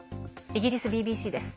イギリスＢＢＣです。